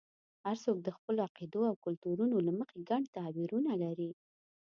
هر څوک د خپلو عقیدو او کلتورونو له مخې ګڼ تعبیرونه لري.